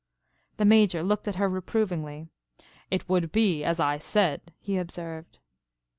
The Major looked at her reprovingly. "It would be as I said," he observed.